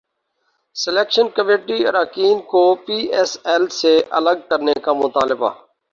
selection committee اراکین کو P S L سے الگ کرنے کا مطالبہ